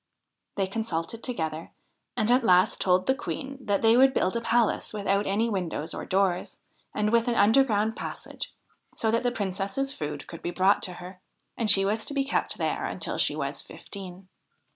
They consulted together, and at last told the Queen that they would build a palace without any windows or doors, and with an underground passage, so that the Princess's food could be brought to her. And she was to be kept there until she was fifteen.